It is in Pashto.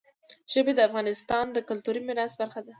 ژبې د افغانستان د کلتوري میراث برخه ده.